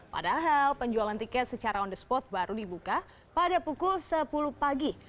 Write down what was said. padahal penjualan tiket secara on the spot baru dibuka pada pukul sepuluh pagi